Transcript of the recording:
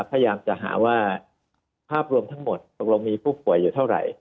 พยายามจะหาว่าภาพรวมทั้งหมดตกลงมีผู้ป่วยอยู่เท่าไหร่